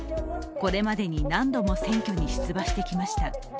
これまでに何度も選挙に出馬してきました。